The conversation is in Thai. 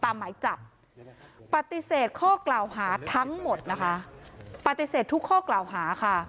ตามหมายจับปฏิเสธข้อกล่าวหาทั้งหมดทุกข้อกล่าวหา